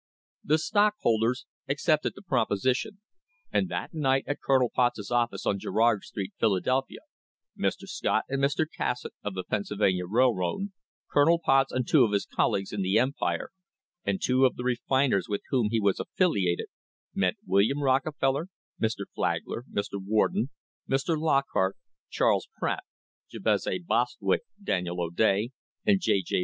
The stockholders accepted the proposition, and that night [ 193] THE HISTORY OF THE STANDARD OIL COMPANY at Colonel Potts's office on Girard Street, Philadelphia, Mr. Scott and Mr. Cassatt, of the Pennsylvania Railroad, Colonel Potts and two of his colleagues in the Empire, and two of the refiners with whom he was affiliated, met William Rocke feller, Mr. Flagler, Mr. Warden, Mr. Lockhart, Charles Pratt, Jabez A. Bostwick, Daniel O'Day, and J. J.